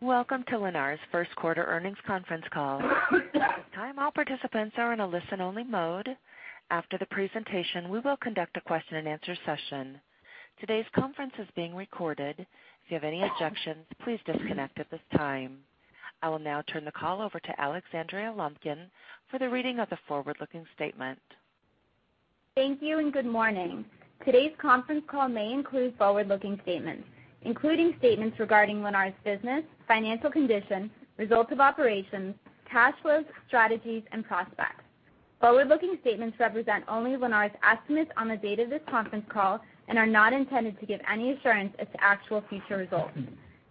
Welcome to Lennar's First Quarter Earnings Conference Call. At this time, all participants are in a listen-only mode. After the presentation, we will conduct a question-and-answer session. Today's conference is being recorded. If you have any objections, please disconnect at this time. I will now turn the call over to Alexandra Lumpkin for the reading of the forward-looking statement. Thank you, and good morning. Today's conference call may include forward-looking statements, including statements regarding Lennar's business, financial condition, results of operations, cash flow, strategies, and prospects. Forward-looking statements represent only Lennar's estimates on the date of this conference call and are not intended to give any assurance as to actual future results.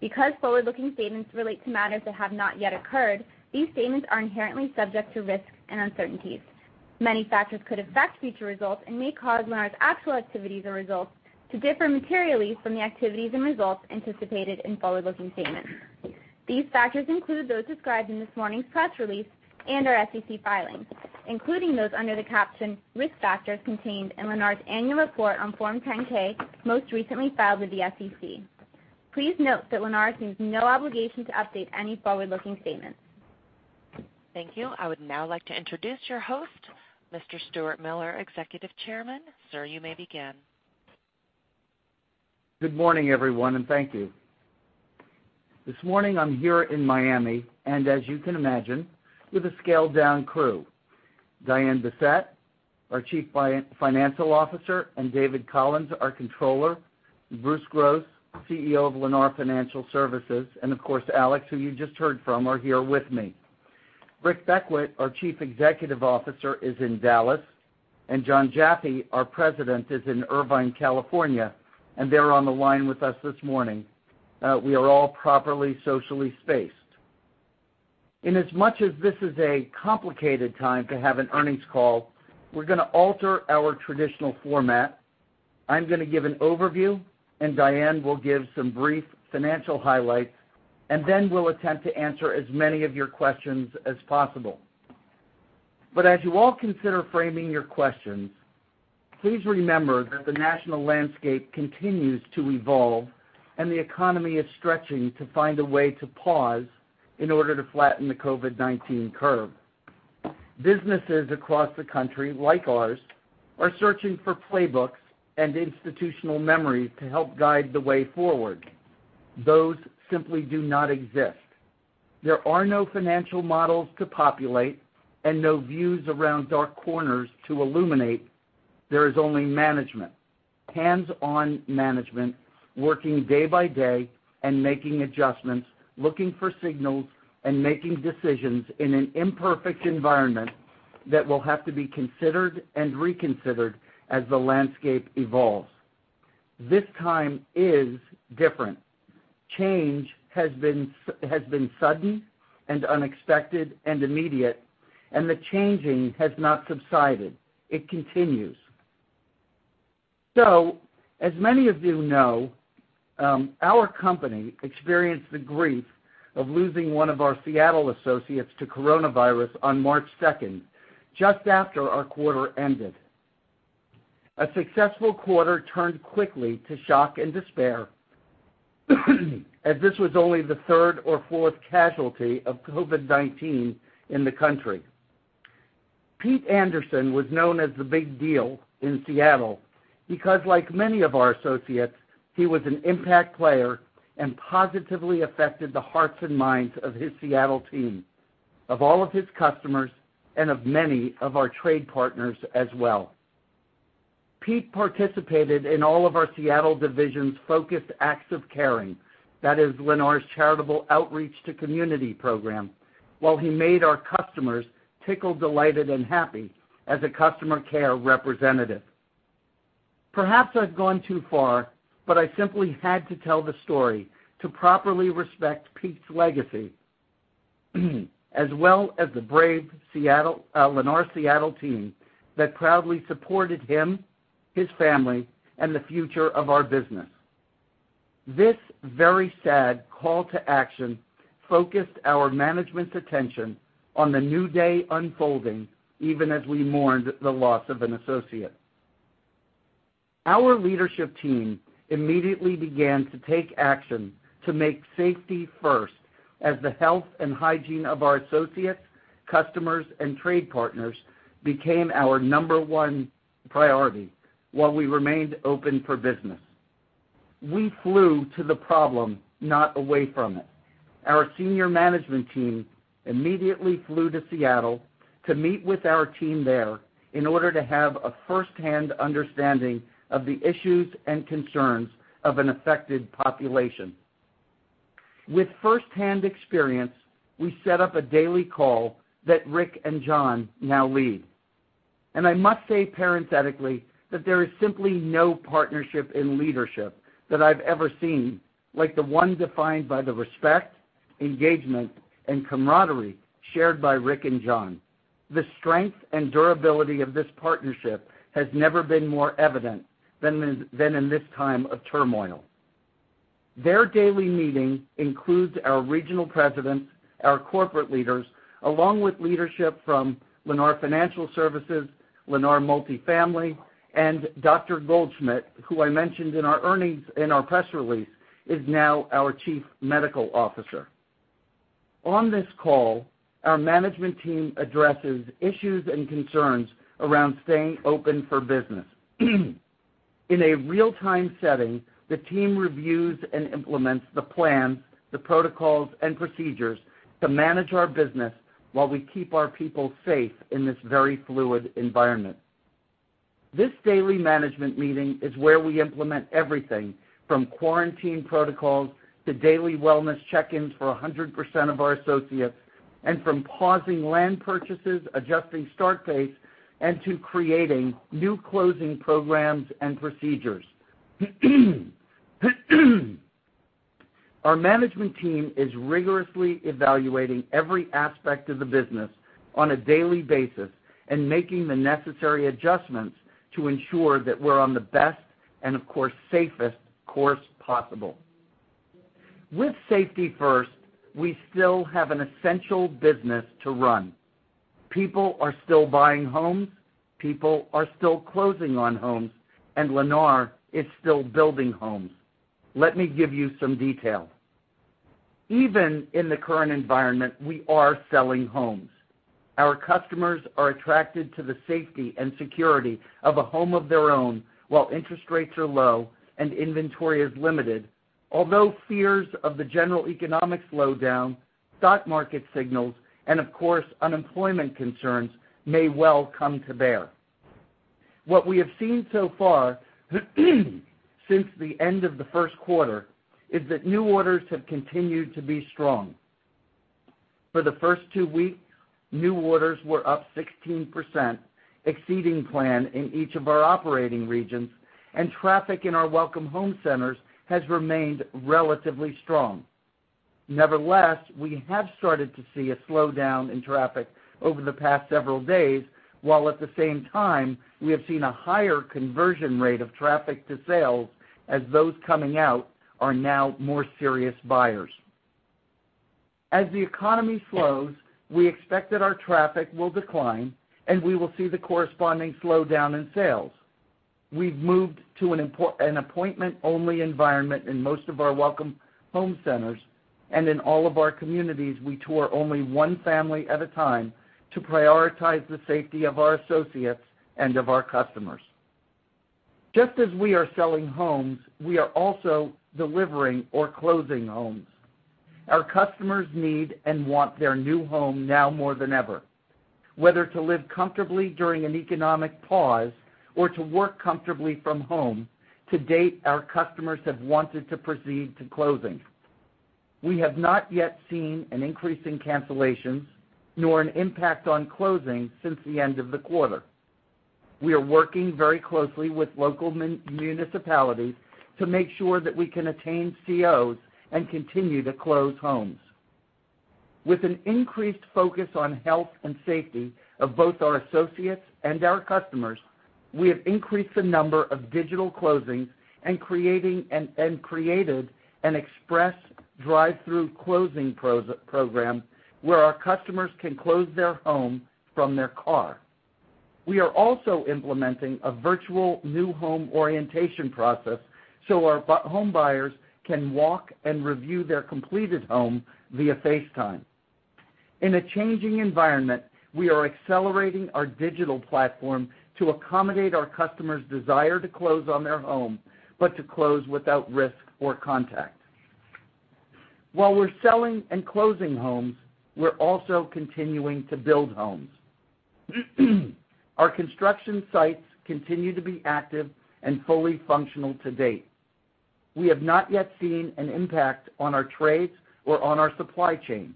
Because forward-looking statements relate to matters that have not yet occurred, these statements are inherently subject to risks and uncertainties. Many factors could affect future results and may cause Lennar's actual activities or results to differ materially from the activities and results anticipated in forward-looking statements. These factors include those described in this morning's press release and our SEC filings, including those under the caption risk factors contained in Lennar's annual report on Form 10-K, most recently filed with the SEC. Please note that Lennar assumes no obligation to update any forward-looking statements. Thank you. I would now like to introduce your host, Mr. Stuart Miller, Executive Chairman. Sir, you may begin. Good morning, everyone, and thank you. This morning, I'm here in Miami, as you can imagine, with a scaled down crew. Diane Bessette, our Chief Financial Officer, and David Collins, our Controller, Bruce Gross, CEO of Lennar Financial Services, and of course, Alex, who you just heard from, are here with me. Rick Beckwitt, our Chief Executive Officer, is in Dallas, and Jon Jaffe, our President, is in Irvine, California, and they're on the line with us this morning. We are all properly socially spaced. In as much as this is a complicated time to have an earnings call, we're going to alter our traditional format. I'm going to give an overview, and Diane will give some brief financial highlights, and then we'll attempt to answer as many of your questions as possible. As you all consider framing your questions, please remember that the national landscape continues to evolve, and the economy is stretching to find a way to pause in order to flatten the COVID-19 curve. Businesses across the country, like ours, are searching for playbooks and institutional memory to help guide the way forward. Those simply do not exist. There are no financial models to populate and no views around dark corners to illuminate. There is only management, hands-on management, working day-by-day and making adjustments, looking for signals and making decisions in an imperfect environment that will have to be considered and reconsidered as the landscape evolves. This time is different. Change has been sudden and unexpected and immediate, and the changing has not subsided. It continues. As many of you know, our company experienced the grief of losing one of our Seattle associates to coronavirus on March 2nd, just after our quarter ended. A successful quarter turned quickly to shock and despair, as this was only the third or fourth casualty of COVID-19 in the country. Pete Anderson was known as the Big Deal in Seattle because, like many of our associates, he was an impact player and positively affected the hearts and minds of his Seattle team, of all of his customers, and of many of our trade partners as well. Pete participated in all of our Seattle division's Focused Acts of Caring, that is Lennar's charitable outreach to community program, while he made our customers tickled, delighted, and happy as a customer care representative. Perhaps I've gone too far, but I simply had to tell the story to properly respect Pete's legacy, as well as the brave Lennar Seattle team that proudly supported him, his family, and the future of our business. This very sad call to action focused our management's attention on the new day unfolding, even as we mourned the loss of an associate. Our leadership team immediately began to take action to make safety first as the health and hygiene of our associates, customers, and trade partners became our number one priority while we remained open for business. We flew to the problem, not away from it. Our senior management team immediately flew to Seattle to meet with our team there in order to have a firsthand understanding of the issues and concerns of an affected population. With firsthand experience, we set up a daily call that Rick and John now lead. I must say parenthetically that there is simply no partnership and leadership that I've ever seen like the one defined by the respect, engagement, and camaraderie shared by Rick and John. The strength and durability of this partnership has never been more evident than in this time of turmoil. Their daily meeting includes our regional presidents, our corporate leaders, along with leadership from Lennar Financial Services, Lennar Multifamily, and Dr. Goldschmidt, who I mentioned in our earnings, in our press release, is now our Chief Medical Officer. On this call, our management team addresses issues and concerns around staying open for business. In a real-time setting, the team reviews and implements the plans, the protocols, and procedures to manage our business while we keep our people safe in this very fluid environment. This daily management meeting is where we implement everything from quarantine protocols to daily wellness check-ins for 100% of our associates, and from pausing land purchases, adjusting start dates, and to creating new closing programs and procedures. Our management team is rigorously evaluating every aspect of the business on a daily basis and making the necessary adjustments to ensure that we're on the best, and of course, safest course possible. With safety first, we still have an essential business to run. People are still buying homes, people are still closing on homes, and Lennar is still building homes. Let me give you some detail. Even in the current environment, we are selling homes. Our customers are attracted to the safety and security of a home of their own, while interest rates are low and inventory is limited. Although fears of the general economic slowdown, stock market signals, and of course, unemployment concerns may well come to bear. What we have seen so far since the end of the first quarter is that new orders have continued to be strong. For the first two weeks, new orders were up 16%, exceeding plan in each of our operating regions, and traffic in our Welcome Home Centers has remained relatively strong. Nevertheless, we have started to see a slowdown in traffic over the past several days, while at the same time, we have seen a higher conversion rate of traffic to sales as those coming out are now more serious buyers. As the economy slows, we expect that our traffic will decline, and we will see the corresponding slowdown in sales. We've moved to an appointment-only environment in most of our Welcome Home Centers, and in all of our communities, we tour only one family at a time to prioritize the safety of our associates and of our customers. Just as we are selling homes, we are also delivering or closing homes. Our customers need and want their new home now more than ever. Whether to live comfortably during an economic pause or to work comfortably from home, to date, our customers have wanted to proceed to closing. We have not yet seen an increase in cancellations, nor an impact on closing since the end of the quarter. We are working very closely with local municipalities to make sure that we can attain COs and continue to close homes. With an increased focus on health and safety of both our associates and our customers, we have increased the number of digital closings and created an express drive-through closing program where our customers can close their home from their car. We are also implementing a virtual new home orientation process so our home buyers can walk and review their completed home via FaceTime. In a changing environment, we are accelerating our digital platform to accommodate our customers' desire to close on their home, but to close without risk or contact. While we're selling and closing homes, we're also continuing to build homes. Our construction sites continue to be active and fully functional to date. We have not yet seen an impact on our trades or on our supply chain.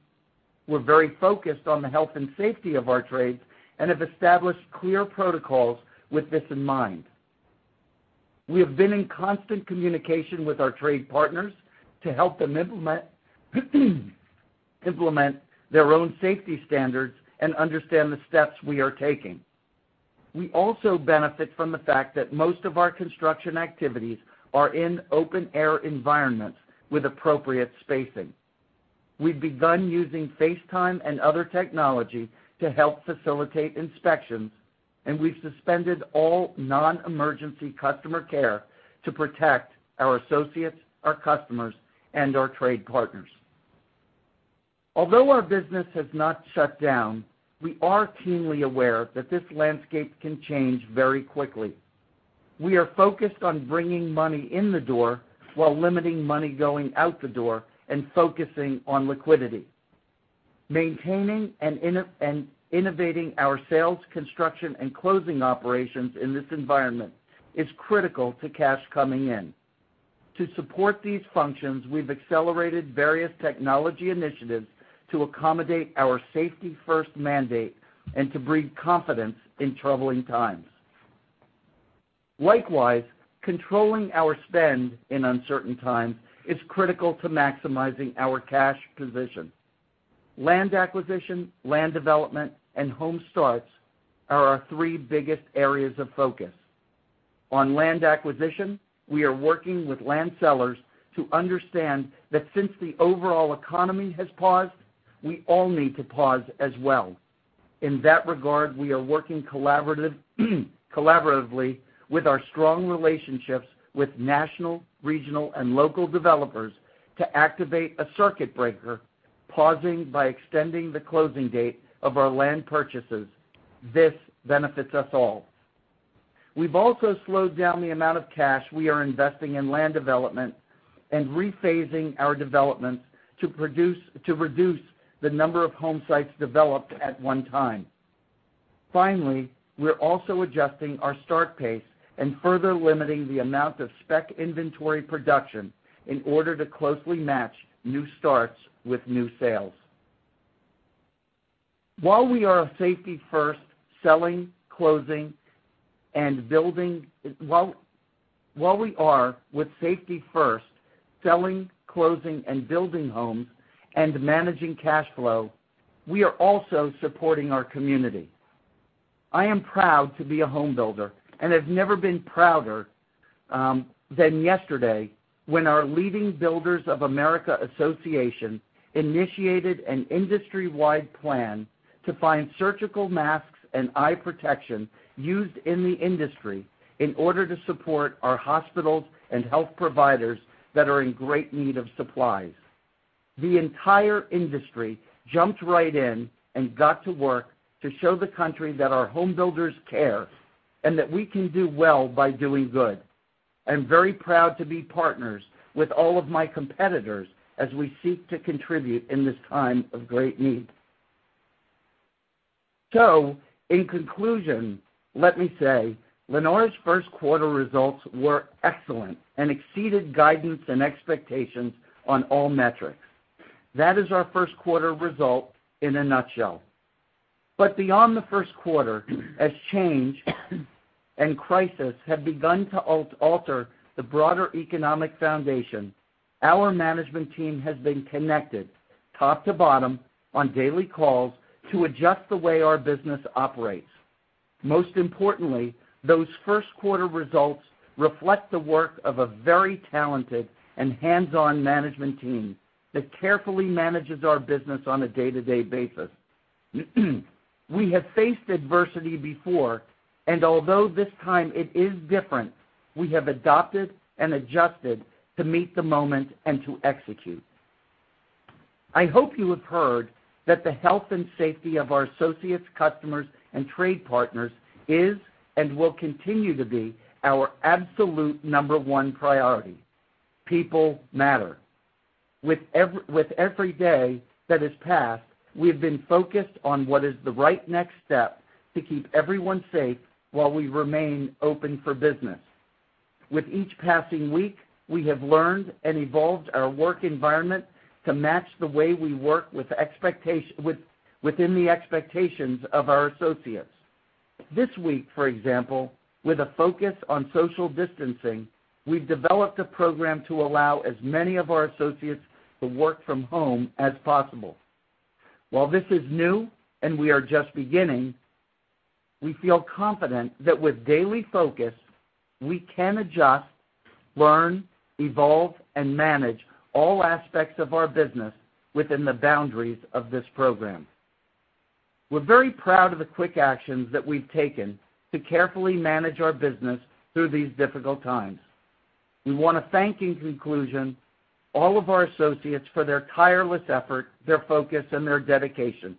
We're very focused on the health and safety of our trades and have established clear protocols with this in mind. We have been in constant communication with our trade partners to help them implement their own safety standards and understand the steps we are taking. We also benefit from the fact that most of our construction activities are in open-air environments with appropriate spacing. We've begun using FaceTime and other technology to help facilitate inspections, and we've suspended all non-emergency customer care to protect our associates, our customers, and our trade partners. Although our business has not shut down, we are keenly aware that this landscape can change very quickly. We are focused on bringing money in the door while limiting money going out the door and focusing on liquidity. Maintaining and innovating our sales, construction, and closing operations in this environment is critical to cash coming in. To support these functions, we've accelerated various technology initiatives to accommodate our safety-first mandate and to breed confidence in troubling times. Likewise, controlling our spend in uncertain times is critical to maximizing our cash position. Land acquisition, land development, and home starts are our three biggest areas of focus. On land acquisition, we are working with land sellers to understand that since the overall economy has paused, we all need to pause as well. In that regard, we are working collaboratively with our strong relationships with national, regional, and local developers to activate a circuit breaker, pausing by extending the closing date of our land purchases. This benefits us all. We've also slowed down the amount of cash we are investing in land development and rephasing our developments to reduce the number of home sites developed at one time. Finally, we're also adjusting our start pace and further limiting the amount of spec inventory production in order to closely match new starts with new sales. While we are with safety first, selling, closing, and building homes and managing cash flow, we are also supporting our community. I am proud to be a home builder and have never been prouder than yesterday when our Leading Builders of America Association initiated an industry-wide plan to find surgical masks and eye protection used in the industry in order to support our hospitals and health providers that are in great need of supplies. The entire industry jumped right in and got to work to show the country that our home builders care and that we can do well by doing good. I'm very proud to be partners with all of my competitors as we seek to contribute in this time of great need. In conclusion, let me say Lennar's first quarter results were excellent and exceeded guidance and expectations on all metrics. That is our first quarter result in a nutshell. Beyond the first quarter, as change and crisis have begun to alter the broader economic foundation, our management team has been connected top to bottom on daily calls to adjust the way our business operates. Most importantly, those first quarter results reflect the work of a very talented and hands-on management team that carefully manages our business on a day-to-day basis. We have faced adversity before, and although this time it is different, we have adapted and adjusted to meet the moment and to execute. I hope you have heard that the health and safety of our associates, customers, and trade partners is and will continue to be our absolute number one priority. People matter. With every day that has passed, we have been focused on what is the right next step to keep everyone safe while we remain open for business. With each passing week, we have learned and evolved our work environment to match the way we work within the expectations of our associates. This week, for example, with a focus on social distancing, we've developed a program to allow as many of our associates to work from home as possible. While this is new and we are just beginning, we feel confident that with daily focus, we can adjust, learn, evolve, and manage all aspects of our business within the boundaries of this program. We're very proud of the quick actions that we've taken to carefully manage our business through these difficult times. We want to thank in conclusion all of our associates for their tireless effort, their focus, and their dedication.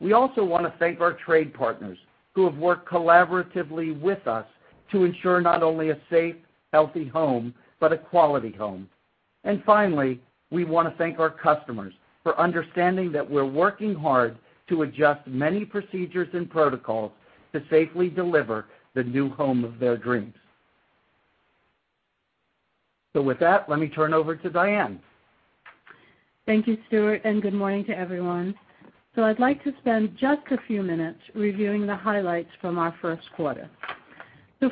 We also want to thank our trade partners who have worked collaboratively with us to ensure not only a safe, healthy home, but a quality home. Finally, we want to thank our customers for understanding that we're working hard to adjust many procedures and protocols to safely deliver the new home of their dreams. With that, let me turn over to Diane. Thank you, Stuart, good morning to everyone. I'd like to spend just a few minutes reviewing the highlights from our first quarter.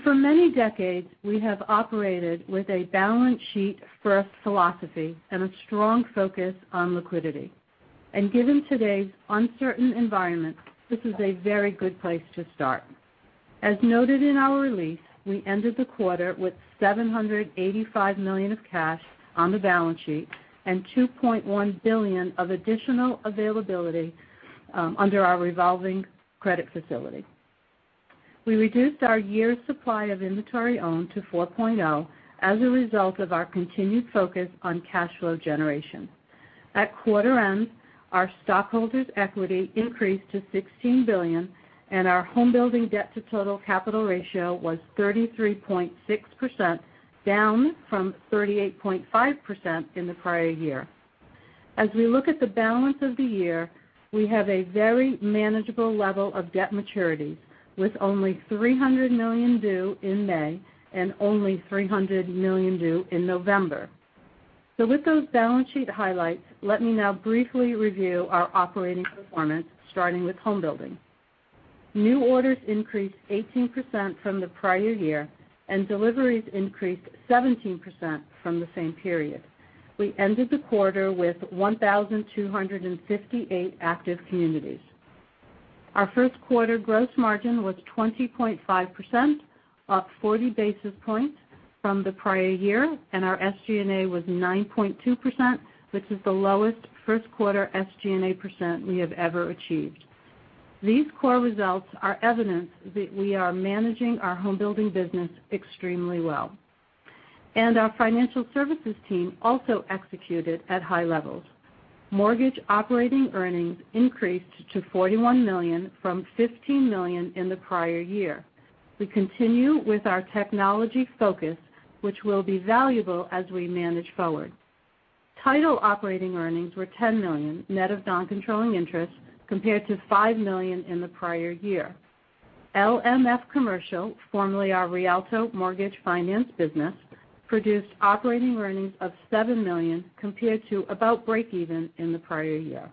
For many decades, we have operated with a balance sheet-first philosophy and a strong focus on liquidity. Given today's uncertain environment, this is a very good place to start. As noted in our release, we ended the quarter with $785 million of cash on the balance sheet and $2.1 billion of additional availability under our revolving credit facility. We reduced our year's supply of inventory owned to 4.0 as a result of our continued focus on cash flow generation. At quarter end, our stockholders' equity increased to $16 billion, and our home building debt to total capital ratio was 33.6%, down from 38.5% in the prior year. We look at the balance of the year, we have a very manageable level of debt maturities, with only $300 million due in May and only $300 million due in November. With those balance sheet highlights, let me now briefly review our operating performance, starting with home building. New orders increased 18% from the prior year, deliveries increased 17% from the same period. We ended the quarter with 1,258 active communities. Our first quarter gross margin was 20.5%, up 40 basis points from the prior year, our SG&A was 9.2%, which is the lowest first quarter SG&A percent we have ever achieved. These core results are evidence that we are managing our home building business extremely well. Our financial services team also executed at high levels. Mortgage operating earnings increased to $41 million from $15 million in the prior year. We continue with our technology focus, which will be valuable as we manage forward. Title operating earnings were $10 million, net of non-controlling interest, compared to $5 million in the prior year. LMF Commercial, formerly our Rialto Mortgage Finance business, produced operating earnings of $7 million compared to about breakeven in the prior year.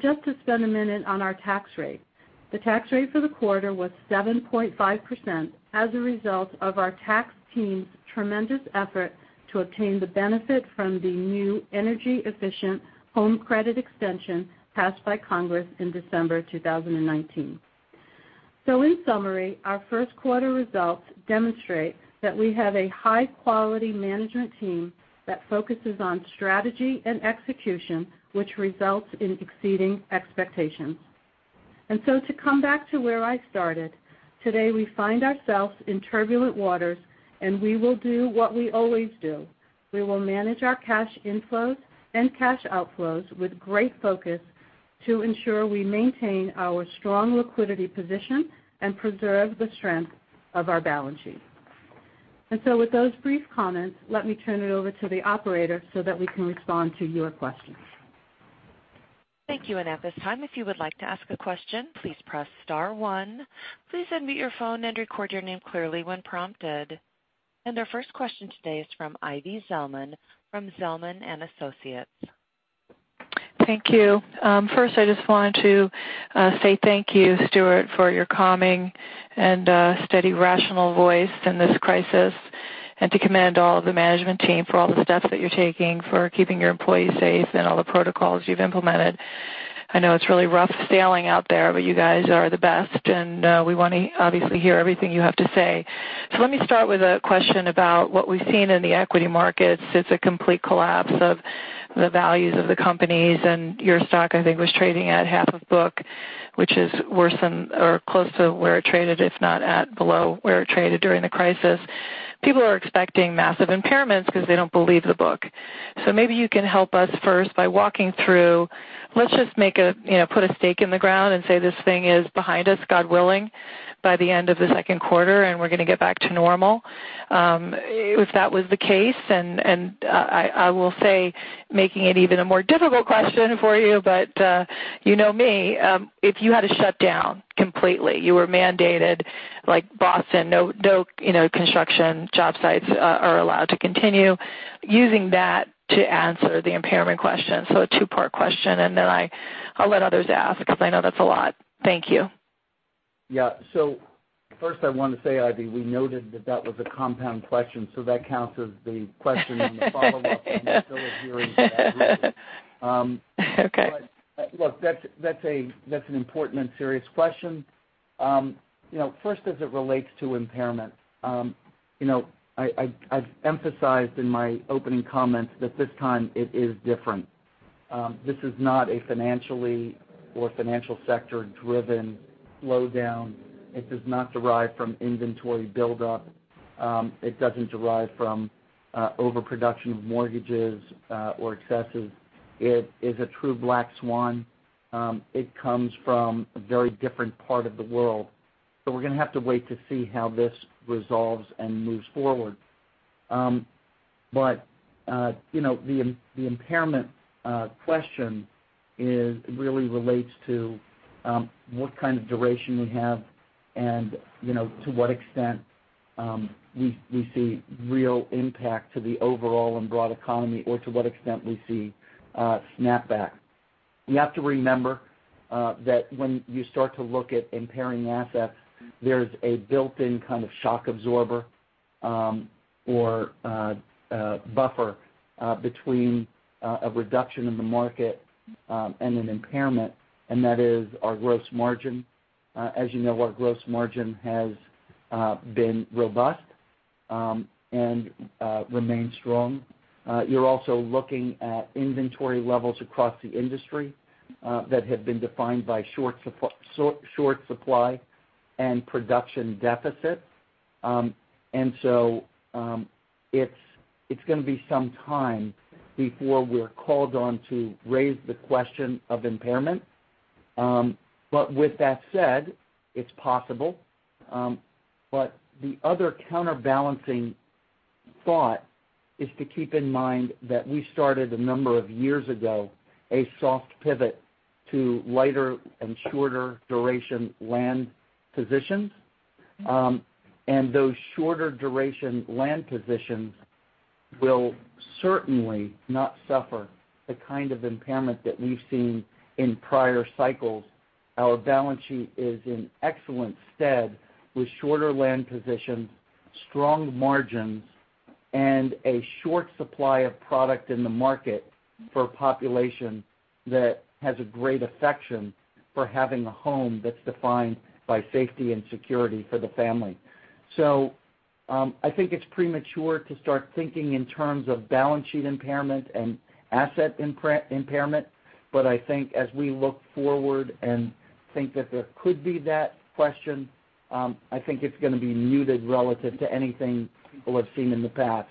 Just to spend a minute on our tax rate. The tax rate for the quarter was 7.5% as a result of our tax team's tremendous effort to obtain the benefit from the new Energy Efficient Home Credit Extension passed by Congress in December 2019. In summary, our first quarter results demonstrate that we have a high-quality management team that focuses on strategy and execution, which results in exceeding expectations. To come back to where I started, today, we find ourselves in turbulent waters, and we will do what we always do. We will manage our cash inflows and cash outflows with great focus to ensure we maintain our strong liquidity position and preserve the strength of our balance sheet. With those brief comments, let me turn it over to the operator so that we can respond to your questions. Thank you. At this time, if you would like to ask a question, please press star one. Please unmute your phone and record your name clearly when prompted. Our first question today is from Ivy Zelman from Zelman & Associates. Thank you. First, I just wanted to say thank you, Stuart, for your calming and steady, rational voice in this crisis, and to commend all of the management team for all the steps that you're taking for keeping your employees safe and all the protocols you've implemented. I know it's really rough sailing out there, but you guys are the best, and we want to obviously hear everything you have to say. Let me start with a question about what we've seen in the equity markets. It's a complete collapse of the values of the companies. Your stock, I think, was trading at half of book, which is worse than or close to where it traded, if not at below where it traded during the crisis. People are expecting massive impairments because they don't believe the book. Maybe you can help us first by walking through, let's just put a stake in the ground and say this thing is behind us, God willing, by the end of the second quarter, and we're going to get back to normal. If that was the case, and I will say, making it even a more difficult question for you, but you know me, if you had to shut down completely. You were mandated, like Boston, no construction job sites are allowed to continue. Using that to answer the impairment question. A two-part question, and then I'll let others ask because I know that's a lot. Thank you. Yeah. First I want to say, Ivy, we noted that that was a compound question, so that counts as the question and the follow-up, and we're still adhering to that rule. Okay. Look, that's an important and serious question. First, as it relates to impairment. I've emphasized in my opening comments that this time it is different. This is not a financially or financial-sector-driven slowdown. It does not derive from inventory buildup. It doesn't derive from overproduction of mortgages or excesses. It is a true black swan. It comes from a very different part of the world. We're going to have to wait to see how this resolves and moves forward. The impairment question really relates to what kind of duration we have and to what extent we see real impact to the overall and broad economy or to what extent we see a snapback. You have to remember that when you start to look at impairing assets, there's a built-in kind of shock absorber or buffer between a reduction in the market and an impairment, and that is our gross margin. As you know, our gross margin has been robust and remains strong. You're also looking at inventory levels across the industry that have been defined by short supply and production deficits. It's going to be some time before we're called on to raise the question of impairment. With that said, it's possible. The other counterbalancing thought is to keep in mind that we started a number of years ago, a soft pivot to lighter and shorter duration land positions. Those shorter duration land positions will certainly not suffer the kind of impairment that we've seen in prior cycles. Our balance sheet is in excellent stead with shorter land positions, strong margins. A short supply of product in the market for a population that has a great affection for having a home that's defined by safety and security for the family. I think it's premature to start thinking in terms of balance sheet impairment and asset impairment. I think as we look forward and think that there could be that question, I think it's going to be muted relative to anything people have seen in the past.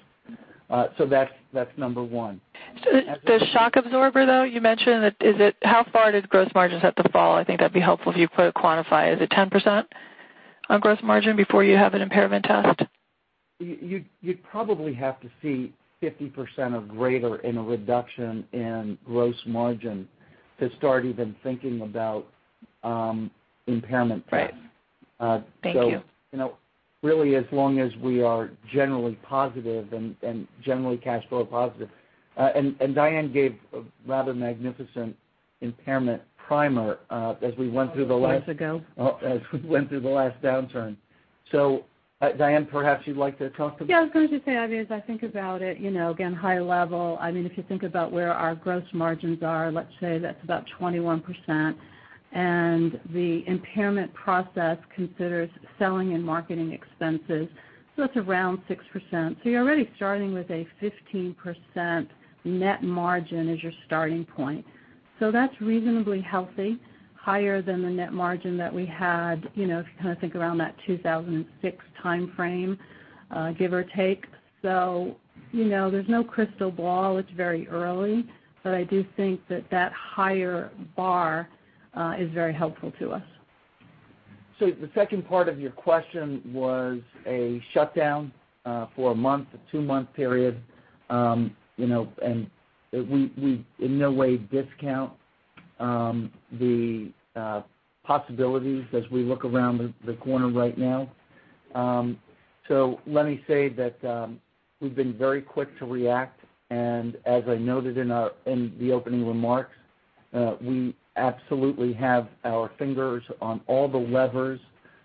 That's number one. The shock absorber, though, you mentioned. How far did gross margins have to fall? I think that'd be helpful if you could quantify. Is it 10% on gross margin before you have an impairment test? You'd probably have to see 50% or greater in a reduction in gross margin to start even thinking about impairment tests. Right. Thank you. Really, as long as we are generally positive and generally cash flow positive. Diane gave a rather magnificent impairment primer as we went through the last. Four years ago. as we went through the last downturn. Diane, perhaps you'd like to talk. Yeah, I was going to just say, as I think about it, again, high level, if you think about where our gross margins are, let's say that's about 21%, and the impairment process considers selling and marketing expenses, so that's around 6%. You're already starting with a 15% net margin as your starting point. That's reasonably healthy, higher than the net margin that we had, if you think around that 2006 timeframe, give or take. There's no crystal ball. It's very early, but I do think that that higher bar is very helpful to us. The second part of your question was a shutdown for a month to two-month period, and we in no way discount the possibilities as we look around the corner right now. Let me say that we've been very quick to react, and as I noted in the opening remarks, we absolutely have our fingers on all the levers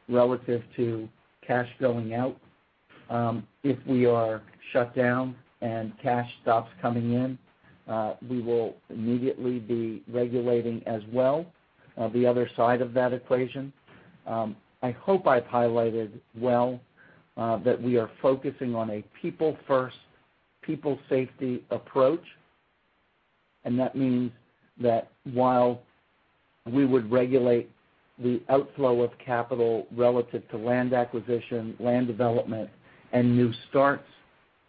relative to cash going out. If we are shut down and cash stops coming in, we will immediately be regulating as well the other side of that equation. I hope I've highlighted well that we are focusing on a people-first, people safety approach, and that means that while we would regulate the outflow of capital relative to land acquisition, land development, and new starts,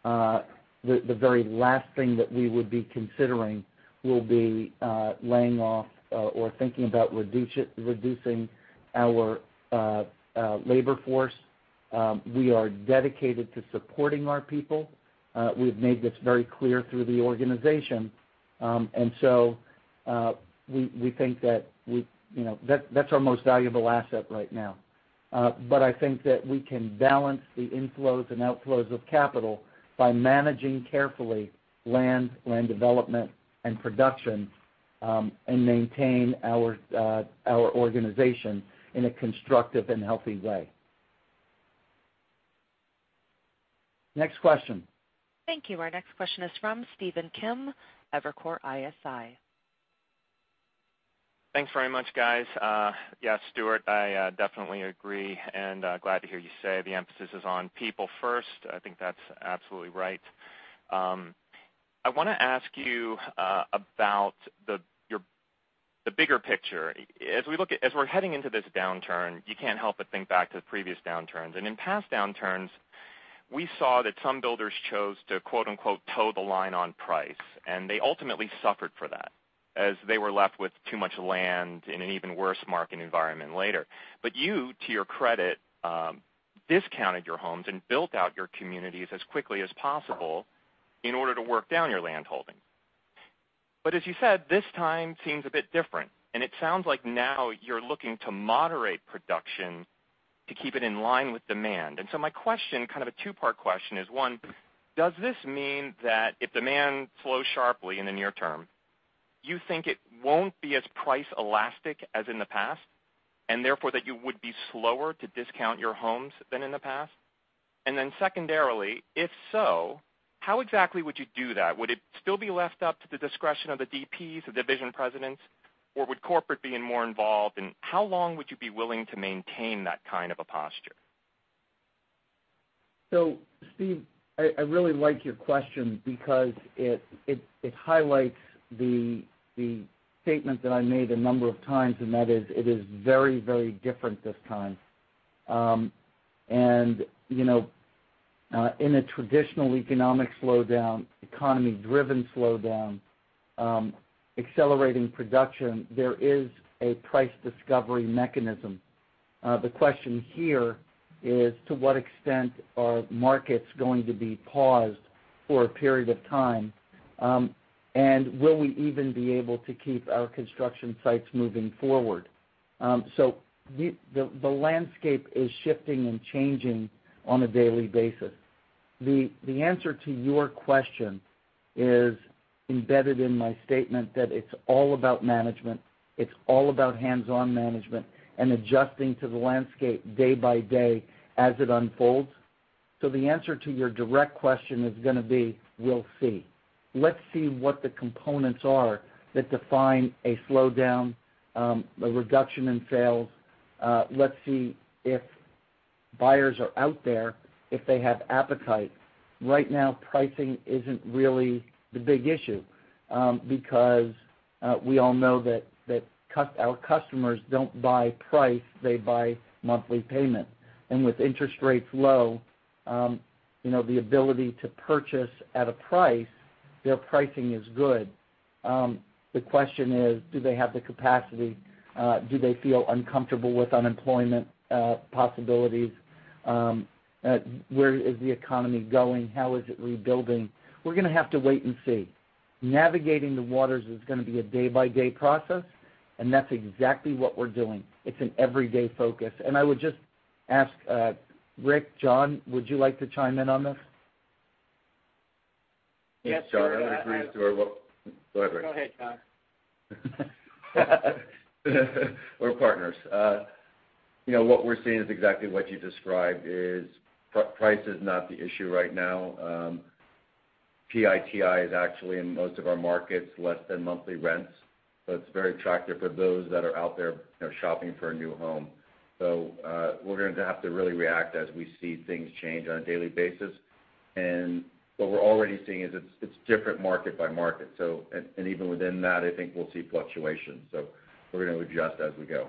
the very last thing that we would be considering will be laying off or thinking about reducing our labor force. We are dedicated to supporting our people. We've made this very clear through the organization. We think that's our most valuable asset right now. I think that we can balance the inflows and outflows of capital by managing carefully land development, and production, and maintain our organization in a constructive and healthy way. Next question. Thank you. Our next question is from Stephen Kim, Evercore ISI. Thanks very much, guys. Yeah, Stuart, I definitely agree and glad to hear you say the emphasis is on people first. I think that's absolutely right. I want to ask you about the bigger picture. As we're heading into this downturn, you can't help but think back to the previous downturns. In past downturns, we saw that some builders chose to quote unquote, "toe the line on price," and they ultimately suffered for that as they were left with too much land in an even worse market environment later. You, to your credit, discounted your homes and built out your communities as quickly as possible in order to work down your land holding. As you said, this time seems a bit different, and it sounds like now you're looking to moderate production to keep it in line with demand. My question, kind of a two-part question, is one, does this mean that if demand slows sharply in the near-term, you think it won't be as price elastic as in the past, and therefore that you would be slower to discount your homes than in the past? Secondarily, if so, how exactly would you do that? Would it still be left up to the discretion of the DPs, the Division Presidents, or would corporate be more involved, and how long would you be willing to maintain that kind of a posture? Stephen, I really like your question because it highlights the statement that I made a number of times, and that is, it is very, very different this time. In a traditional economic slowdown, economy-driven slowdown, accelerating production, there is a price discovery mechanism. The question here is to what extent are markets going to be paused for a period of time, and will we even be able to keep our construction sites moving forward? The landscape is shifting and changing on a daily basis. The answer to your question is embedded in my statement that it's all about management, it's all about hands-on management and adjusting to the landscape day-by-day as it unfolds. The answer to your direct question is going to be, we'll see. Let's see what the components are that define a slowdown, a reduction in sales. Let's see if buyers are out there, if they have appetite. Right now, pricing isn't really the big issue, because we all know that our customers don't buy price, they buy monthly payment. With interest rates low, the ability to purchase at a price, their pricing is good. The question is, do they have the capacity? Do they feel uncomfortable with unemployment possibilities? Where is the economy going? How is it rebuilding? We're going to have to wait and see. Navigating the waters is going to be a day-by-day process, and that's exactly what we're doing. It's an everyday focus. I would just ask, Rick, Jon, would you like to chime in on this? Yes. Yes. John, I would agree, Stuart. Go ahead, Rick. Go ahead, John. We're partners. What we're seeing is exactly what you described is price is not the issue right now. PITI is actually, in most of our markets, less than monthly rents. It's very attractive for those that are out there shopping for a new home. We're going to have to really react as we see things change on a daily basis. What we're already seeing is it's different market by market, and even within that, I think we'll see fluctuations. We're going to adjust as we go.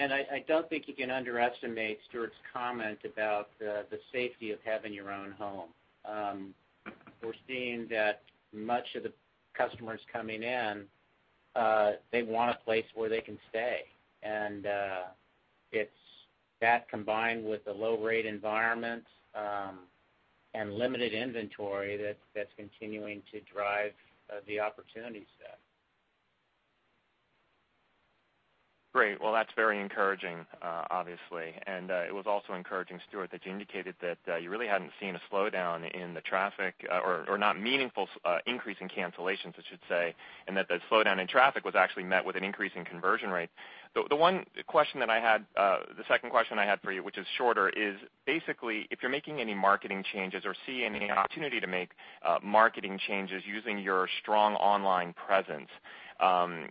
I don't think you can underestimate Stuart's comment about the safety of having your own home. We're seeing that much of the customers coming in, they want a place where they can stay. It's that combined with the low rate environment, and limited inventory that's continuing to drive the opportunity set. Great. Well, that's very encouraging, obviously. It was also encouraging, Stuart, that you indicated that you really hadn't seen a slowdown in the traffic or not meaningful increase in cancellations, I should say, and that the slowdown in traffic was actually met with an increase in conversion rate. The one question that I had, the second question I had for you, which is shorter, is basically, if you're making any marketing changes or see any opportunity to make marketing changes using your strong online presence,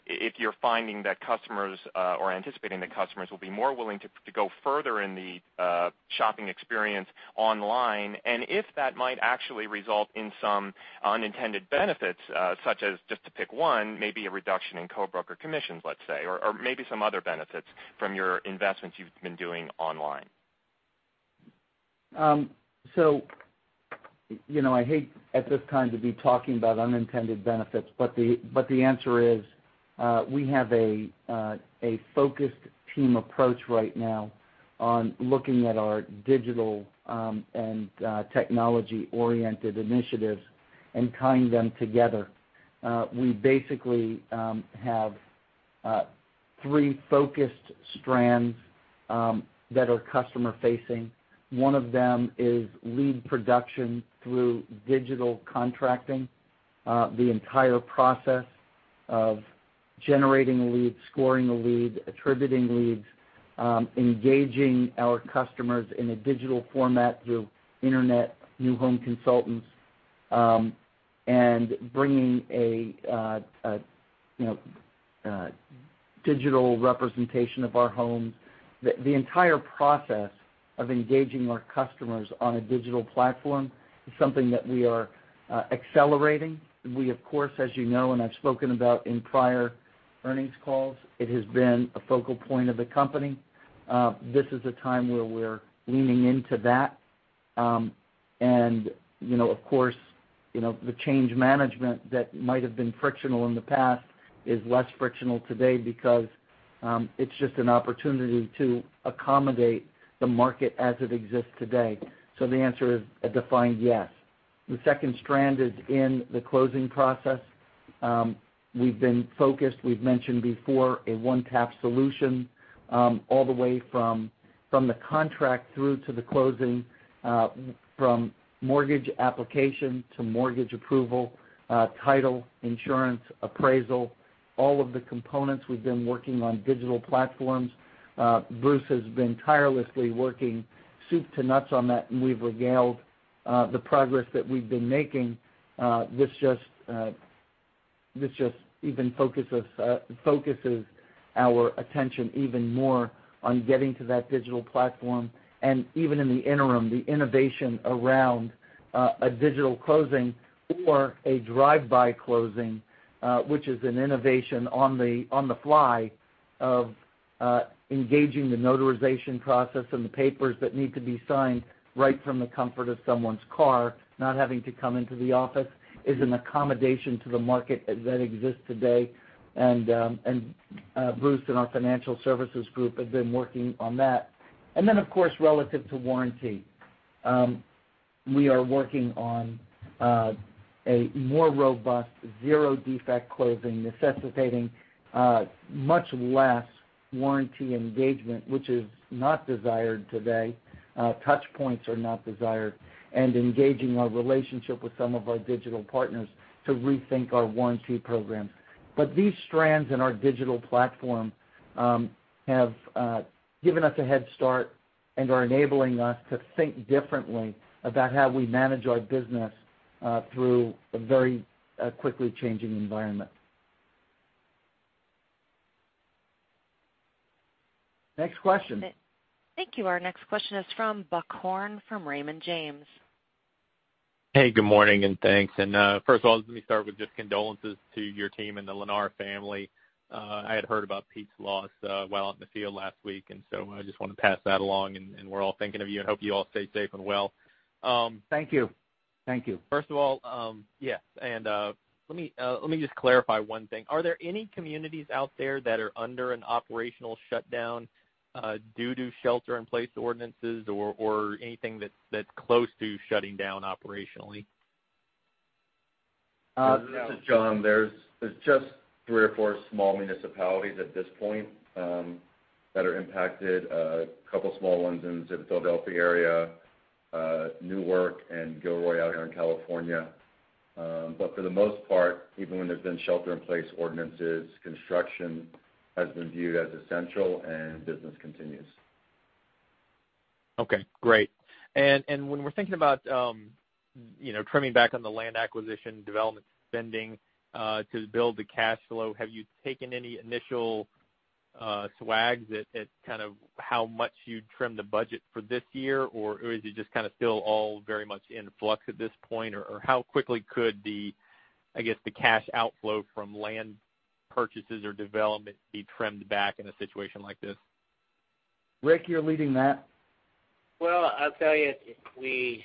if you're finding that customers or anticipating that customers will be more willing to go further in the shopping experience online, and if that might actually result in some unintended benefits, such as, just to pick one, maybe a reduction in co-broker commissions, let's say, or maybe some other benefits from your investments you've been doing online. I hate at this time to be talking about unintended benefits, but the answer is, we have a focused team approach right now on looking at our digital, and technology-oriented initiatives and tying them together. We basically have three focused strands that are customer facing. One of them is lead production through digital contracting, the entire process of generating a lead, scoring a lead, attributing leads, engaging our customers in a digital format through internet, new home consultants, and bringing a digital representation of our homes. The entire process of engaging our customers on a digital platform is something that we are accelerating. We, of course, as you know, and I've spoken about in prior earnings calls, it has been a focal point of the company. This is a time where we're leaning into that. Of course, the change management that might have been frictional in the past is less frictional today because it's just an opportunity to accommodate the market as it exists today. The answer is a defined yes. The second strand is in the closing process. We've been focused, we've mentioned before, a one-tap solution all the way from the contract through to the closing, from mortgage application to mortgage approval, title, insurance, appraisal, all of the components we've been working on digital platforms. Bruce has been tirelessly working soup to nuts on that, and we've regaled the progress that we've been making. This just even focuses our attention even more on getting to that digital platform and even in the interim, the innovation around a digital closing or a drive-by closing, which is an innovation on the fly of engaging the notarization process and the papers that need to be signed right from the comfort of someone's car, not having to come into the office, is an accommodation to the market that exists today. Bruce and our Financial Services group have been working on that. Then, of course, relative to warranty. We are working on a more robust zero-defect closing, necessitating much less warranty engagement, which is not desired today. Touch points are not desired, and engaging our relationship with some of our digital partners to rethink our warranty program. These strands in our digital platform have given us a head start and are enabling us to think differently about how we manage our business through a very quickly changing environment. Next question. Thank you. Our next question is from Buck Horne from Raymond James. Hey, good morning and thanks. First of all, let me start with just condolences to your team and the Lennar family. I had heard about Pete's loss while out in the field last week, and so I just want to pass that along, and we're all thinking of you and hope you all stay safe and well. Thank you. First of all, yes. Let me just clarify one thing. Are there any communities out there that are under an operational shutdown due to shelter-in-place ordinances or anything that's close to shutting down operationally? This is John. There's just three or four small municipalities at this point that are impacted. A couple of small ones in the Philadelphia area, Newark and Gilroy out here in California. For the most part, even when there's been shelter-in-place ordinances, construction has been viewed as essential and business continues. Okay, great. When we're thinking about trimming back on the land acquisition development spending to build the cash flow, have you taken any initial swags at how much you'd trim the budget for this year? Is it just still all very much in flux at this point? How quickly could the, I guess, the cash outflow from land purchases or development be trimmed back in a situation like this? Rick, you're leading that. Well, I'll tell you, we're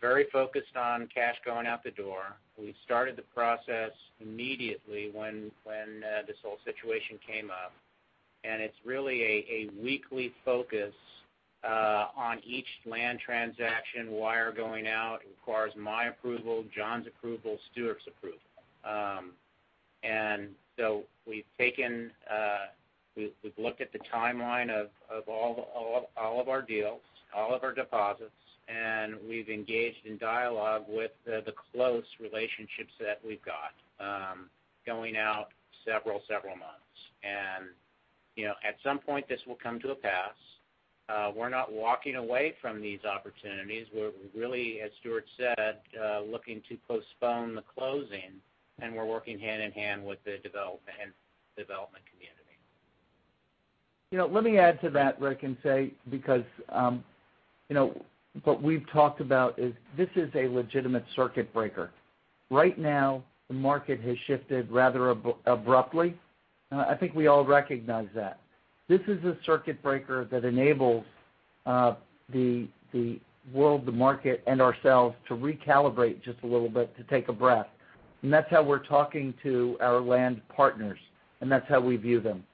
very focused on cash going out the door. We started the process immediately when this whole situation came up. It's really a weekly focus on each land transaction wire going out. It requires my approval, Jon's approval, Stuart's approval. We've looked at the timeline of all of our deals, all of our deposits, and we've engaged in dialogue with the close relationships that we've got going out several months. At some point, this will come to a pass. We're not walking away from these opportunities. We're really, as Stuart said, looking to postpone the closing, and we're working hand-in-hand with the development community. Let me add to that, Rick, and say, because what we've talked about is this is a legitimate circuit breaker. Right now, the market has shifted rather abruptly. I think we all recognize that. This is a circuit breaker that enables the world, the market, and ourselves to recalibrate just a little bit, to take a breath. That's how we're talking to our land partners, and that's how we view them.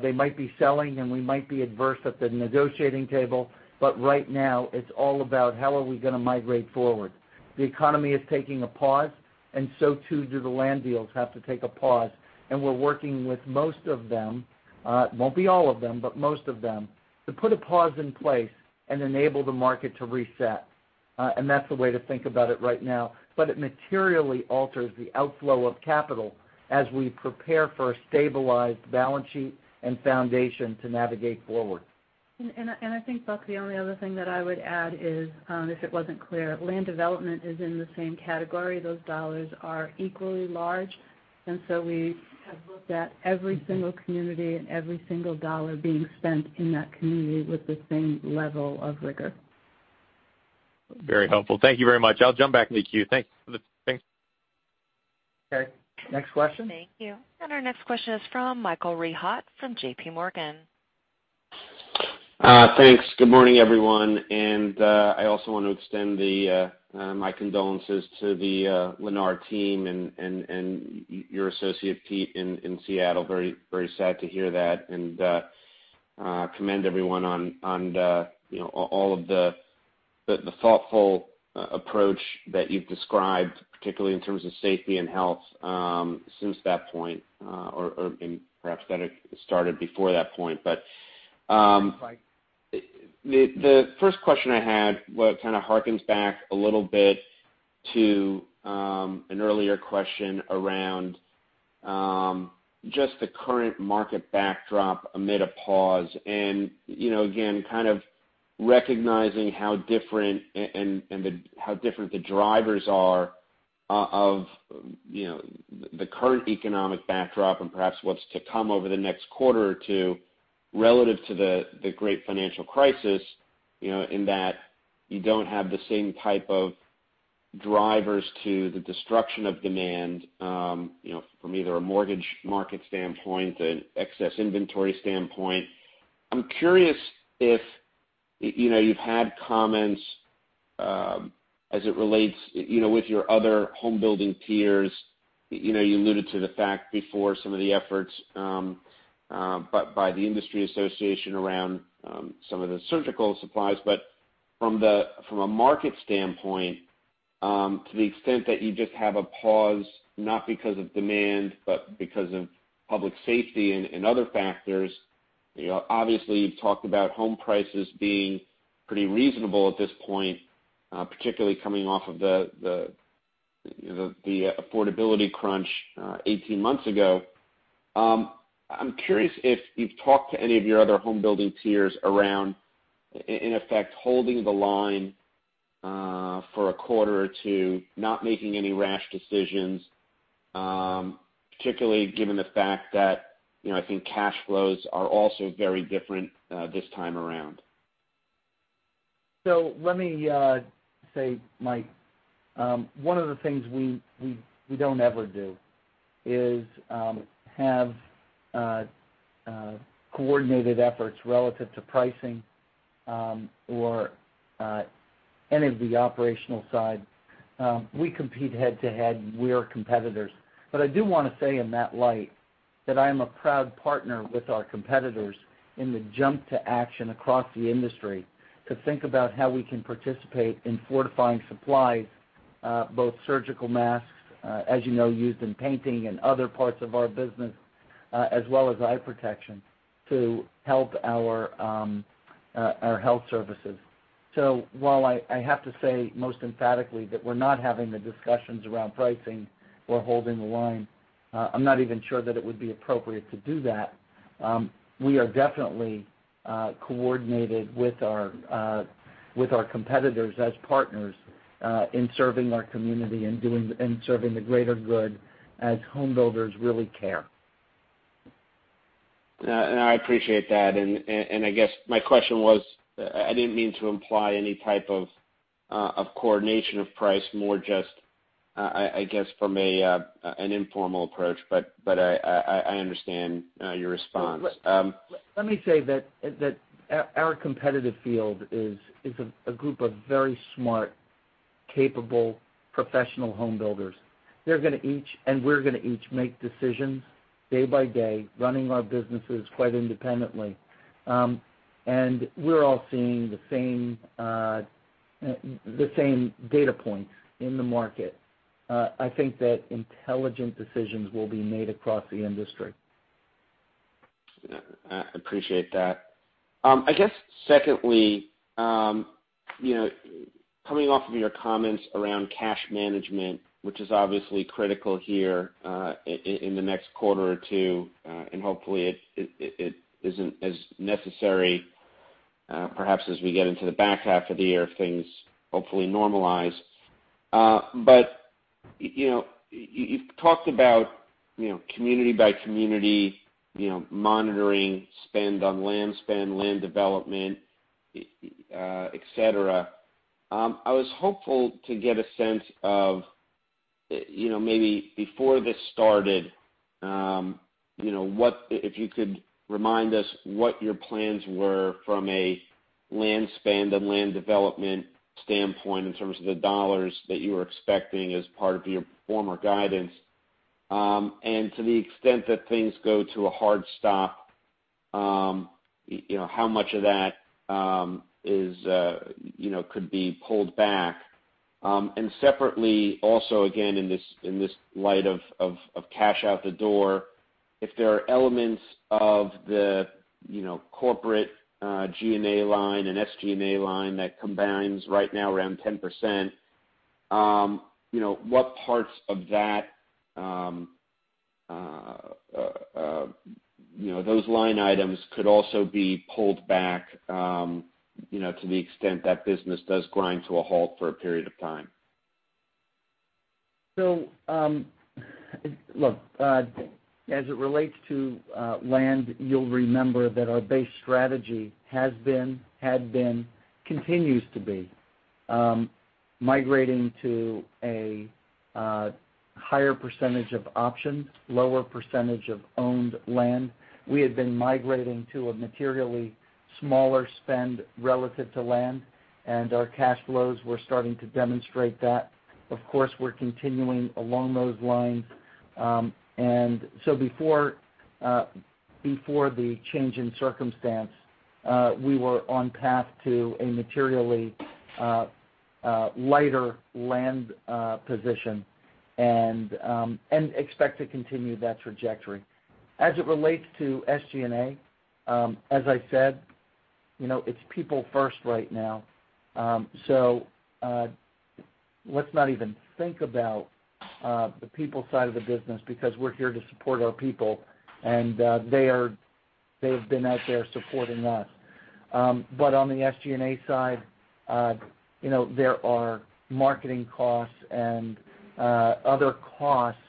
They might be selling, and we might be adverse at the negotiating table, but right now it's all about how are we going to migrate forward. The economy is taking a pause, and so too do the land deals have to take a pause, and we're working with most of them. It won't be all of them, but most of them, to put a pause in place and enable the market to reset. That's the way to think about it right now. It materially alters the outflow of capital as we prepare for a stabilized balance sheet and foundation to navigate forward. I think, Buck, the only other thing that I would add is, if it wasn't clear, land development is in the same category. Those dollars are equally large. We have looked at every single community and every single dollar being spent in that community with the same level of rigor. Very helpful. Thank you very much. I'll jump back in the queue. Thanks. Okay, next question. Thank you. Our next question is from Michael Rehaut from JPMorgan. Thanks. Good morning, everyone. I also want to extend my condolences to the Lennar team and your associate, Pete, in Seattle. Very sad to hear that. I commend everyone on all of the thoughtful approach that you've described, particularly in terms of safety and health since that point, or perhaps that it started before that point. Mike The first question I had kind of hearkens back a little bit to an earlier question around just the current market backdrop amid a pause. Again, kind of recognizing how different the drivers are of the current economic backdrop and perhaps what's to come over the next quarter or two relative to the great financial crisis, in that you don't have the same type of drivers to the destruction of demand from either a mortgage market standpoint, an excess inventory standpoint. I'm curious if you've had comments as it relates with your other home building peers? You alluded to the fact before some of the efforts by the industry association around some of the surgical supplies, but from a market standpoint, to the extent that you just have a pause, not because of demand, but because of public safety and other factors. Obviously, you've talked about home prices being pretty reasonable at this point, particularly coming off of the affordability crunch 18 months ago. I'm curious if you've talked to any of your other home building peers around, in effect, holding the line for a quarter or two, not making any rash decisions, particularly given the fact that, I think cash flows are also very different this time around. Let me say, Mike, one of the things we don't ever do is have coordinated efforts relative to pricing or any of the operational side. We compete head-to-head. We are competitors. I do want to say in that light that I am a proud partner with our competitors in the jump to action across the industry to think about how we can participate in fortifying supplies, both surgical masks, as you know, used in painting and other parts of our business, as well as eye protection to help our health services. While I have to say most emphatically that we're not having the discussions around pricing or holding the line, I'm not even sure that it would be appropriate to do that. We are definitely coordinated with our competitors as partners in serving our community and serving the greater good as home builders really care. I appreciate that. I guess my question was, I didn't mean to imply any type of coordination of price, more just, I guess from an informal approach. I understand your response. Let me say that our competitive field is a group of very smart, capable, professional home builders. They're going to each, and we're going to each make decisions day-by-day, running our businesses quite independently. We're all seeing the same data points in the market. I think that intelligent decisions will be made across the industry. I appreciate that. I guess secondly, coming off of your comments around cash management, which is obviously critical here in the next quarter or two, and hopefully it isn't as necessary, perhaps as we get into the back half of the year, if things hopefully normalize. You've talked about community by community, monitoring spend on land spend, land development, et cetera. I was hopeful to get a sense of, maybe before this started, if you could remind us what your plans were from a land spend and land development standpoint in terms of the dollars that you were expecting as part of your former guidance. To the extent that things go to a hard stop, how much of that could be pulled back? Separately, also, again, in this light of cash out the door, if there are elements of the corporate G&A line and SG&A line that combines right now around 10%, what parts of those line items could also be pulled back to the extent that business does grind to a halt for a period of time? Look, as it relates to land, you'll remember that our base strategy has been, had been, continues to be migrating to a higher percentage of options, lower percentage of owned land. We had been migrating to a materially smaller spend relative to land, and our cash flows were starting to demonstrate that. Of course, we're continuing along those lines. Before the change in circumstance, we were on path to a materially lighter land position and expect to continue that trajectory. As it relates to SG&A, as I said, it's people first right now. Let's not even think about the people side of the business because we're here to support our people, and they've been out there supporting us. On the SG&A side, there are marketing costs and other costs